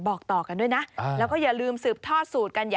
ผมก็ว่าอย่างงั้น